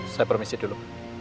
saya permisi dulu